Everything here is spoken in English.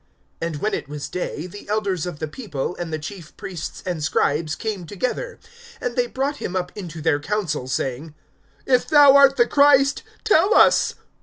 (66)And when it was day, the elders of the people[22:66], and the chief priests and scribes, came together; and they brought him up into their council, saying: (67)If thou art the Christ, tell us.